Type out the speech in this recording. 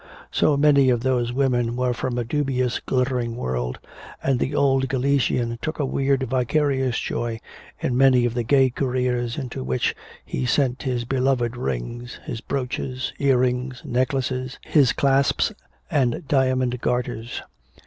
So many of those women were from a dubious glittering world, and the old Galician took a weird vicarious joy in many of the gay careers into which he sent his beloved rings, his brooches, earrings, necklaces, his clasps and diamond garters.